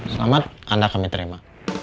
selamat anda kami terima